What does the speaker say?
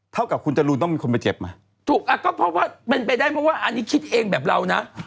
เท่ากับคุณจรูนต้องมีคนมาเจ็บไหมถูกอ่ะก็เพราะว่าเป็นไปได้เพราะว่าอันนี้คิดเองแบบเรานะ